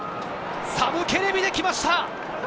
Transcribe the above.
サム・ケレビで来ました。